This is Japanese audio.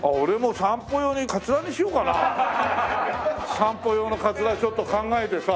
散歩用のカツラちょっと考えてさ。